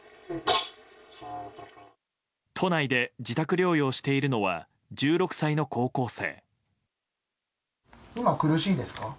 都内で自宅療養しているのは１６歳の高校生。